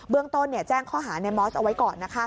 เรื่องต้นแจ้งข้อหาในมอสเอาไว้ก่อน